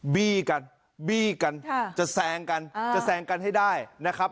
บี้กันบี้กันจะแซงกันจะแซงกันให้ได้นะครับ